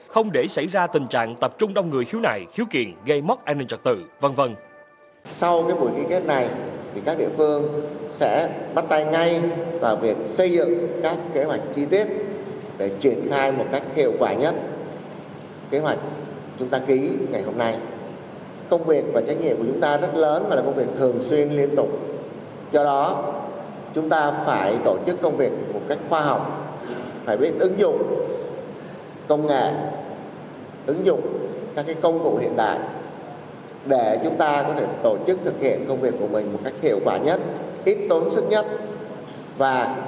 không để xảy ra tình trạng tập trung đông người khiếu nại khiếu kiện gây mất an ninh trật tự v v